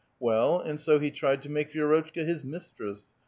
Well, and so he tried to make Vi^rotchka his mistress.